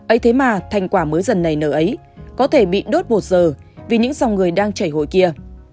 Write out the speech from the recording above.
ấy thế mà thành quả mới dần này nở ấy có thể bị đốt một giờ vì những dòng người đang chảy hội kia